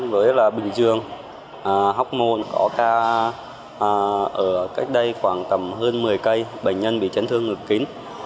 với là bình dương hóc môn có ca ở cách đây khoảng tầm hơn một mươi cây bệnh nhân bị chấn thương ngược kín